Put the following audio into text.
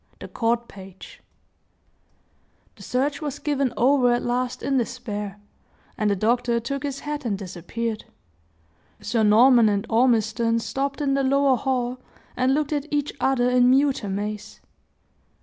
THE COURT PAGE The search was given over at last in despair, and the doctor took his hat and disappeared. Sir Norman and Ormiston stopped in the lower hall and looked at each other in mute amaze.